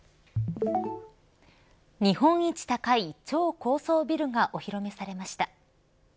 日本一高い超高層ビルがお披露目されました。